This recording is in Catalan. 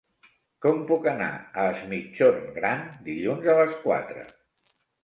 Com puc anar a Es Migjorn Gran dilluns a les quatre?